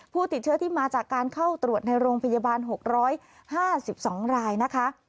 ผู้ติดเชื้อที่มาจากการเข้าตรวจในโรงพยาบาล๖๕๒รายนะคะ